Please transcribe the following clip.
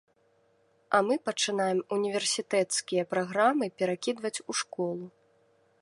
А мы пачынаем універсітэцкія праграмы перакідваць ў школу.